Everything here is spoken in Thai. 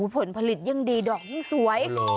ผลผลิตยิ่งดีดอกยิ่งสวย